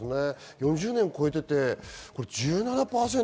４０年を超えていて１７％。